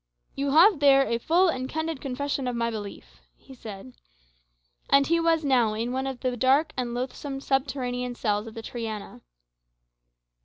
"You have there a full and candid confession of my belief," he said. And he was now in one of the dark and loathsome subterranean cells of the Triana.